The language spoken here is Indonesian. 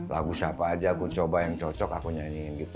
lagu siapa aja aku coba yang cocok aku nyanyiin gitu